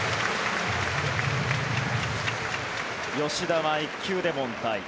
吉田は１球で凡退。